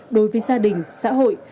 đối với gia đình xã hội